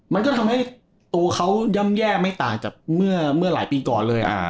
มันก็ทำให้ตัวเขาย่ำแย่ไม่ต่างจากเมื่อหลายปีก่อนเลย